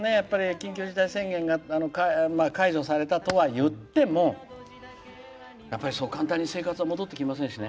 緊急事態宣言が解除されたとはいってもそう簡単に生活は戻ってきませんしね。